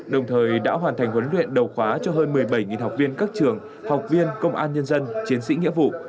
đồng thời đã hoàn thành huấn luyện đầu khóa cho hơn một mươi bảy học viên các trường học viên công an nhân dân chiến sĩ nghĩa vụ